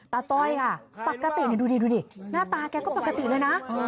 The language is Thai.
ต้อยค่ะปกติดูดิดูดิหน้าตาแกก็ปกติเลยนะ